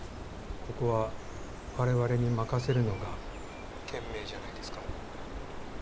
ここはわれわれに任せるのが賢明じゃないですか？